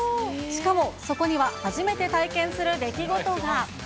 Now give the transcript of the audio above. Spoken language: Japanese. しかも、そこには初めて体験する出来事が。